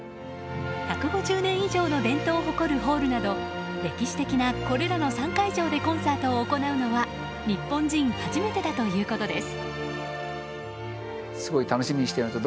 １５０年以上の伝統を誇るホールなど歴史的なこれらの３会場でコンサートを行うのは日本人初めてだということです。